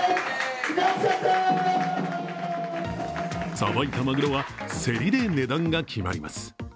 さばいたまぐろは競りで値段が決まります。